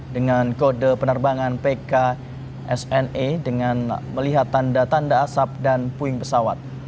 dengan kode penerbangan pksna dengan melihat tanda tanda asap dan puing pesawat